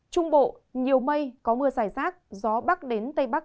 trung bộ nhiều mây có mưa dài rác gió bắc đến tây bắc